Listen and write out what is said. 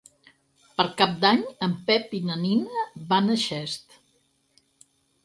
Per Cap d'Any en Pep i na Nina van a Xest.